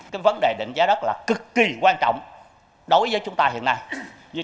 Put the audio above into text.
cái vấn đề định giá đất là cực kỳ quan trọng đối với chúng ta hiện nay